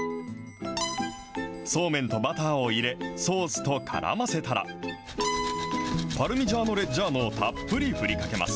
そうめんとバターを入れ、ソースとからませたら、パルミジャーノ・レッジャーノをたっぷり振りかけます。